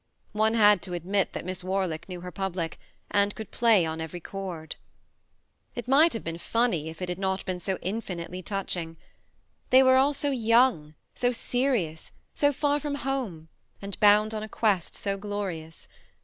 One had to admit that Miss Warlick knew her public, and could play on every chord. It might have been funny if it had not been so infinitely touching. They were all so young, so serious, so far from home, and bound on a quest so glorious